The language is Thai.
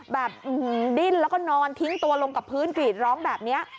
ดิ้นแล้วก็นอนทิ้งตัวลงกับพื้นกรีดร้องแบบนี้